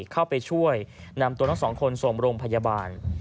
เข้าไปช่วยนำตัวน้องสองคนสวมร่วมพยาบาล